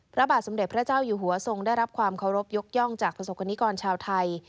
พระบาทสมเด็จพระเจ้าอยู่หัวทรงได้รับความเคารพยกย่องจากประสบกรณิกรชาวไทย